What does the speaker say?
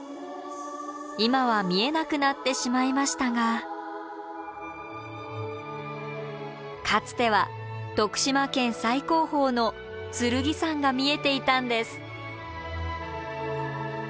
今は見えなくなってしまいましたがかつては徳島県最高峰の剣山が見えていたんです。